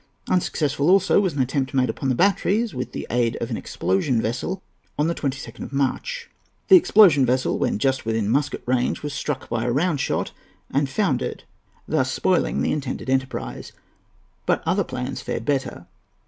Unsuccessful also was an attempt made upon the batteries, with the aid of an explosion vessel, on the 22nd of March. The explosion vessel, when just within musket range, was struck by a round shot, and foundered, thus spoiling the intended enterprise. But other plans fared better.